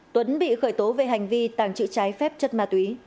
tuấn bị khởi tố về hành vi tàng trữ trái phép chất ma túy